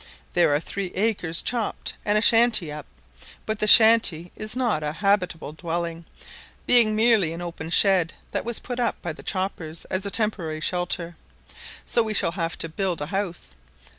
There are three acres chopped and a shanty up; but the shanty is not a habitable dwelling, being merely an open shed that was put up by the choppers as a temporary shelter; so we shall have to build a house.